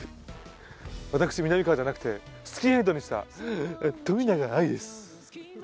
私みなみかわじゃなくてスキンヘッドにした冨永愛です。